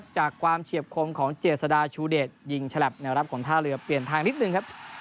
จากความเฉียบคมของเจษฎาชูเดชยิงฉลับแนวรับของท่าเรือเปลี่ยนทางนิดนึงครับ